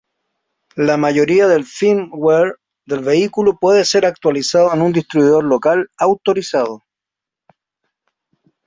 La mayoría del "firmware" del vehículo puede ser actualizado en un distribuidor local autorizado.